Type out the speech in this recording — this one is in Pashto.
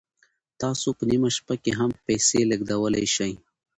تاسو په نیمه شپه کې هم پیسې لیږدولی شئ.